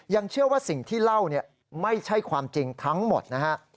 เชื่อว่าสิ่งที่เล่าเนี่ยไม่ใช่ความจริงทั้งหมดนะฮะ